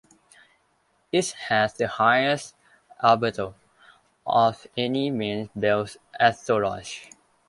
It has the highest albedo of any main belt asteroid.